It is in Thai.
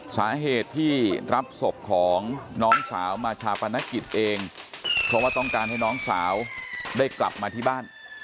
สาเหตุที่รับศพของน้องสาวมาชาปนกิจเองเพราะว่าต้องการให้น้องสาวได้กลับมาที่บ้าน